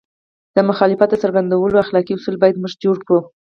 د مخالفت د څرګندولو اخلاقي اصول باید موږ جوړ کړو.